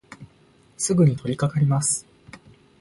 すぐにとりかかります。